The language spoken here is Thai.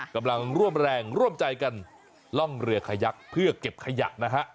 กำลังร่วมแรงร่วมใจกันล่องเรือขยักเพื่อเก็บขยะนะฮะ